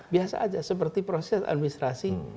biasa aja seperti proses administrasi